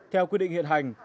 theo quy định hiện hành